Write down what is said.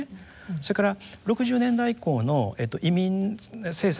それから６０年代以降の移民政策